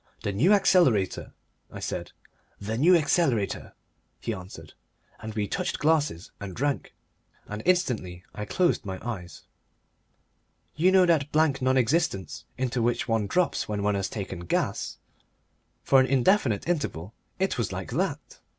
"The New Accelerator," I said. "The New Accelerator," he answered, and we touched glasses and drank, and instantly I closed my eyes. You know that blank non existence into which one drops when one has taken "gas." For an indefinite interval it was like that.